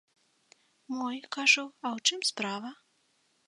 Мой, кажу, а ў чым справа?